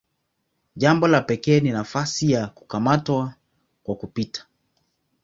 Jambo la pekee ni nafasi ya "kukamata kwa kupita".